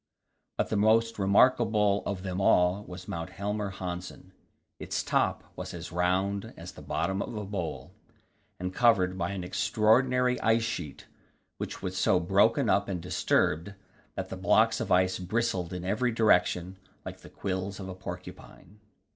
But the most remarkable of them all was Mount Helmer Hanssen; its top was as round as the bottom of a bowl, and covered by an extraordinary ice sheet, which was so broken up and disturbed that the blocks of ice bristled in every direction like the quills of a porcupine.